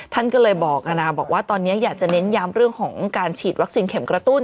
ท่านก็เลยบอกนะบอกว่าตอนนี้อยากจะเน้นย้ำเรื่องของการฉีดวัคซีนเข็มกระตุ้น